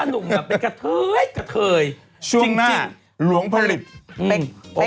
ก็เป็นกระเทยกระเทยช่วงหน้าหลวงผลิตอืมอ๋อ